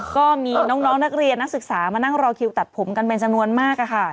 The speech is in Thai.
ก็มีน้องนักเรียนนักศึกษามานั่งรอคิวตัดผมกันเป็นจำนวนมาก